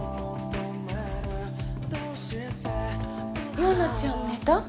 陽奈ちゃん寝た？